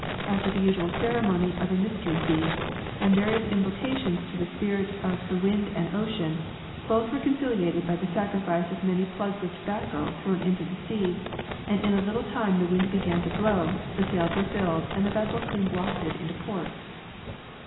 After the usual ceremony of a mystery feast, and various invo cations to the spirit of the wind and ocean, both were conciliated by the sacrifice of many plugs of tobacco thrown into the sea; and in a little time the wind began to blow, the sails were filled, and the vessel soon wafted into port.